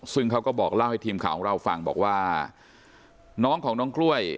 ซึ่งเขาก็บอกเล่าให้ทีมข่าวของเราฟังบอกว่าน้องของน้องกล้วย